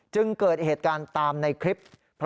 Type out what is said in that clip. เกิดเหตุการณ์ตามในคลิป